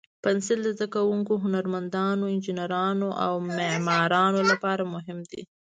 پنسل د زده کوونکو، هنرمندانو، انجینرانو، او معمارانو لپاره مهم دی.